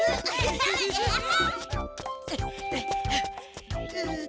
ハハハハ。